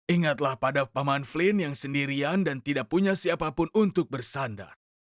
ingatlah pada paman flyn yang sendirian dan tidak punya siapapun untuk bersandar